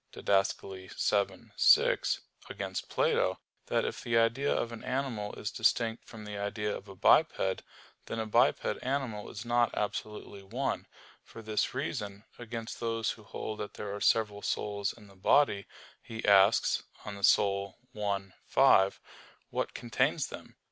vii, 6), against Plato, that if the idea of an animal is distinct from the idea of a biped, then a biped animal is not absolutely one. For this reason, against those who hold that there are several souls in the body, he asks (De Anima i, 5), "what contains them?"